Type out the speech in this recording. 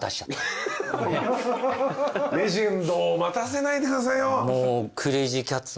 レジェンドを待たせないでくださいよ。